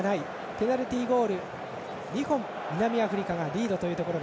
ペナルティーゴール２本南アフリカがリードというところ。